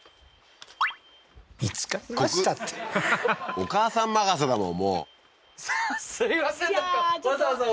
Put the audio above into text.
お母さん任せだもん